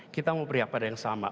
kita mau beri apa yang sama